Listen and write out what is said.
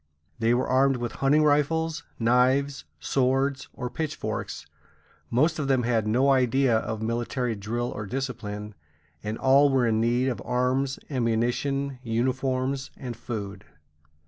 They were armed with hunting rifles, knives, swords, or pitchforks; most of them had no idea of military drill or discipline, and all were in need of arms, ammunition, uniforms, and food.